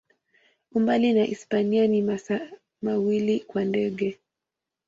Umbali na Hispania ni masaa mawili kwa ndege.